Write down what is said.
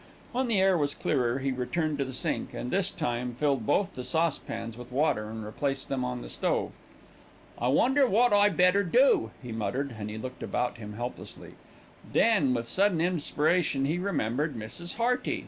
When the air was clearer, he returned to the sink and, this time, filled both the saucepans with water and replaced them on the stove. "I wonder wot I better do," he muttered, and he looked about him helplessly. Then, with sudden inspiration, he remembered Mrs. Hearty.